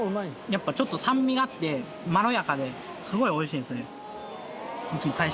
やっぱちょっと酸味があってまろやかですごいおいしいんですよね。